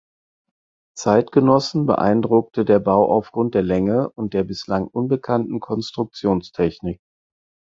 Zeitgenossen beeindruckte der Bau aufgrund der Länge und der bislang unbekannten Konstruktionstechnik.